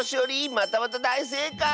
またまただいせいかい！